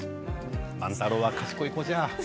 万太郎は、賢い子じゃ。